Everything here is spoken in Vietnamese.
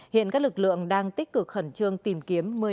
hiện các lực lượng đang tích cực khẩn trương tìm kiếm một mươi nạn nhân còn lại